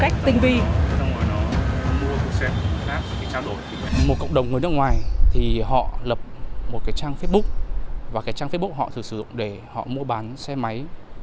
một cộng đồng người nước ngoài thì họ lập một cái trang facebook và cái trang facebook họ thường sử dụng để họ mua bán xe máy